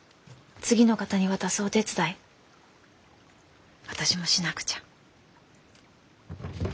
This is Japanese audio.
次の方に渡すお手伝い私もしなくちゃ。